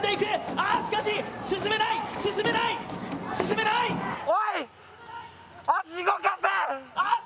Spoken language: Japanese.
ああ、しかし、進めない、進めない、進めない！